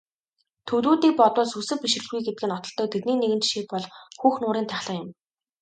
Төвөдүүдийг бодвол сүсэг бишрэлгүй гэдгээ нотолдог тэдний нэгэн жишээ бол Хөх нуурын тахилга юм.